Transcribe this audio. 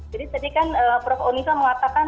jadi tadi kan prof onisa mengatakan